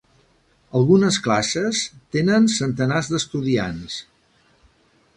Algunes classes tenen centenars d'estudiants.